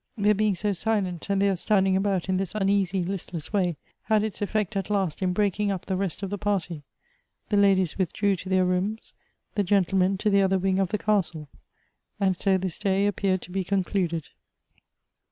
Their being so silent, and their standing about in this uneasy, listless way, had its effect at last in breaking up the rest of the party The ladies withdrew to their rooms, the gentlemen to the other wing of the castle ; and so this day appeared to be concluded.